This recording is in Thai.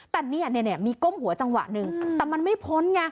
แต่เนี่ยมีก้มหัวจังหวะหนึ่งแต่มันไม่พ้นไง